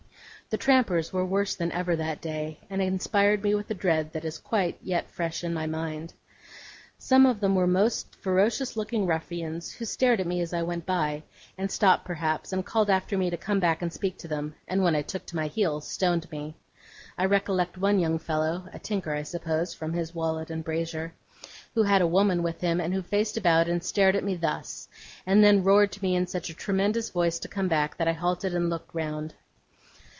The trampers were worse than ever that day, and inspired me with a dread that is yet quite fresh in my mind. Some of them were most ferocious looking ruffians, who stared at me as I went by; and stopped, perhaps, and called after me to come back and speak to them, and when I took to my heels, stoned me. I recollect one young fellow a tinker, I suppose, from his wallet and brazier who had a woman with him, and who faced about and stared at me thus; and then roared to me in such a tremendous voice to come back, that I halted and looked round.